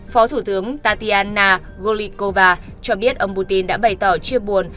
phó thủ tướng tatianna golikova cho biết ông putin đã bày tỏ chia buồn